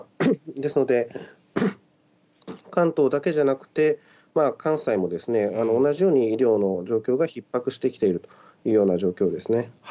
ですので、関東だけじゃなくて、関西も同じように医療の状況がひっ迫してきているという状況です